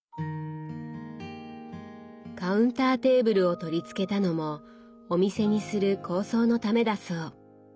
カウンターテーブルを取り付けたのもお店にする構想のためだそう。